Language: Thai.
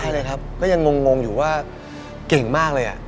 ได้เลยครับยังโง่งไปว่าเก่งมากเลย